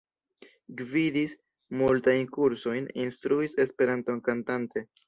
Gvidis multajn kursojn; instruis Esperanton kantante.